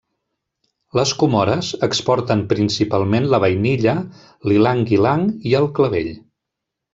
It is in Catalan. Les Comores exporten principalment la vainilla, l'ilang-ilang i el clavell.